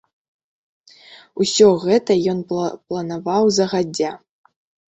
Усё гэта ён планаваў загадзя.